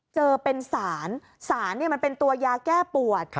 เจอเป็นสารสารมันเป็นตัวยาแก้ปวด